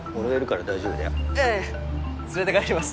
え連れて帰ります